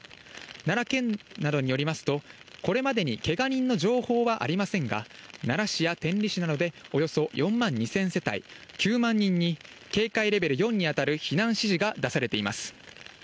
奈良県などによりますと、これまでにけが人の情報はありませんが、奈良市や天理市などで、およそ４万２０００世帯９万人に、警戒レベル４に当たる避難指示が出されています。